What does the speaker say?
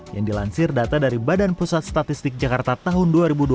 yang dilansir data dari badan pusat statistik jakarta tahun dua ribu dua puluh